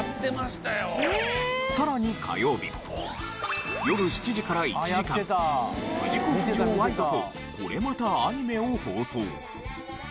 さらに夜７時から１時間『藤子不二雄ワイド』とこれまたアニメを放送。